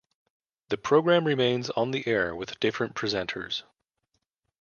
The programme remains on the air with different presenters.